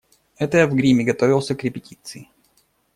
Это я в гриме готовился к репетиции.